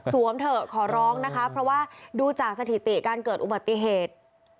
เถอะขอร้องนะคะเพราะว่าดูจากสถิติการเกิดอุบัติเหตุ